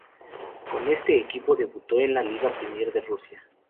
Con este equipo debutó en la Liga Premier de Rusia.